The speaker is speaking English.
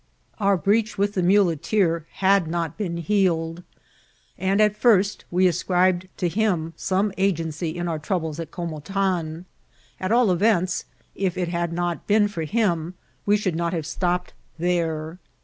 Our breach^with the muleteer had not been healed, and at first we ascribed to him some agency in our trou bles at Comotan. At all events, if it had not been for him, we should not have stopped there.